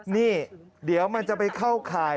นี่เดี๋ยวมันจะไปเข้าข่าย